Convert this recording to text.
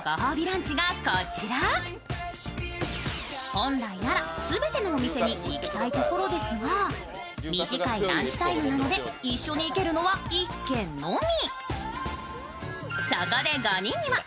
本来なら全てのお店に行きたいところですが、短いランチタイムなので一緒に行けるのは１軒のみ。